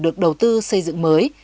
được đầu tư xây dựng mới